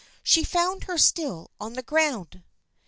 She found her still on the ground.